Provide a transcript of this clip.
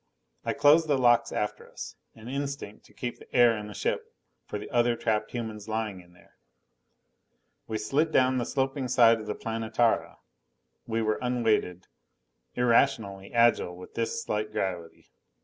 I closed the locks after us: an instinct to keep the air in the ship for the other trapped humans lying in there. We slid down the sloping side of the Planetara. We were unweighted, irrationally agile with this slight gravity.